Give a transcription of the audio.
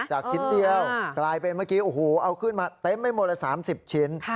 ชิ้นเดียวกลายเป็นเมื่อกี้โอ้โหเอาขึ้นมาเต็มไปหมดละ๓๐ชิ้น